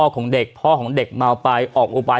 ของเด็กพ่อของเด็กเมาไปออกอุบาย